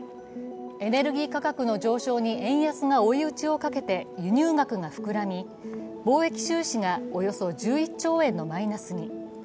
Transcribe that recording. エネルギー価格の上昇に円安が追い打ちをかけて輸入額が膨らみ貿易収支がおよそ１１兆円のマイナスに。